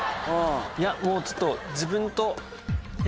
いやもうちょっと自分と。